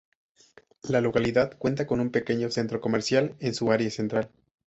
La localidad cuenta con un pequeño centro comercial en su área central.